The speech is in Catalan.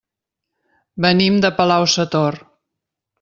Venim de Palau-sator.